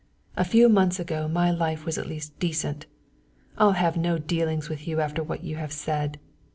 A few mouths ago my life was at least decent. I'll have no dealings with you after what you have said.